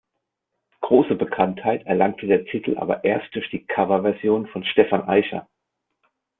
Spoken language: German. Grosse Bekanntheit erlangte der Titel aber erst durch die Coverversion von Stephan Eicher.